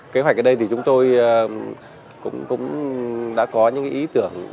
kế hoạch ở đây thì chúng tôi cũng đã có những ý tưởng